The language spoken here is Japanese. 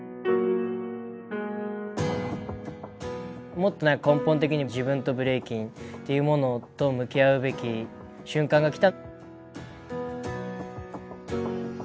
もっと何か根本的に自分とブレイキンっていうものと向き合うべき瞬間が来た。